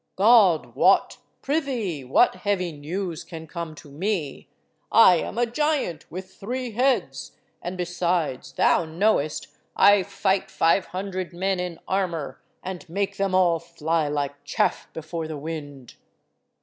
"God wot! Prithee! what heavy news can come to me? I am a giant with three heads, and besides, thou knowest, I fight five hundred men in armour, and make them all fly like chaff before the wind."